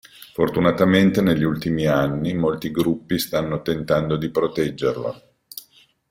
Fortunatamente negli ultimi anni molti gruppi stanno tentando di proteggerlo.